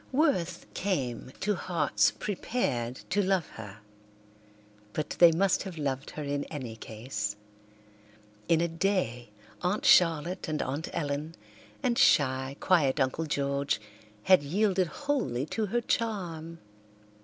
Worth came to hearts prepared to love her, but they must have loved her in any case. In a day Aunt Charlotte and Aunt Ellen and shy, quiet Uncle George had yielded wholly to her charm.